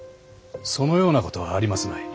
そのようなことはありますまい。